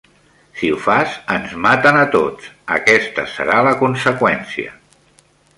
Si ho fas, ens maten a tots, aquesta serà la conseqüència.